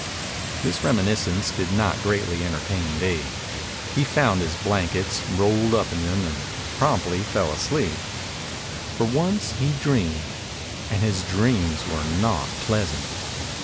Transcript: This reminiscence did not greatly entertain Dave. He found his blankets, rolled up in them, and promptly fell asleep. For once he dreamed, and his dreams were not pleasant.